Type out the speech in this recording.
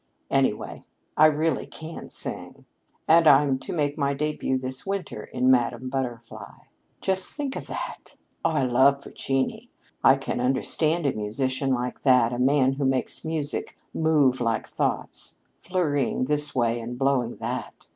Anyway, I really can sing. And I'm to make my debut this winter in 'Madame Butterfly.' Just think of that! Oh, I love Puccini! I can understand a musician like that a man who makes music move like thoughts, flurrying this way and blowing that.